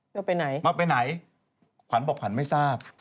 เอาไปไหนมาไปไหนขวัญบอกขวัญไม่ทราบ